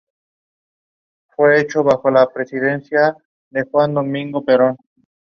Muy pocos de sus cuadros se encuentran en su país natal.